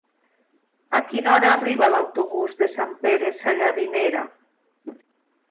A quina hora arriba l'autobús de Sant Pere Sallavinera?